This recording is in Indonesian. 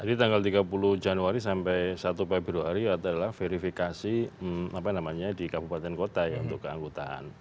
jadi tanggal tiga puluh januari sampai satu februari adalah verifikasi di kabupaten kota untuk keanggotaan